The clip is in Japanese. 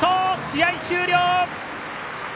試合終了！